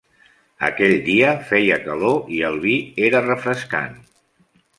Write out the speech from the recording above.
Aquell dia feia calor, i el vi era refrescant.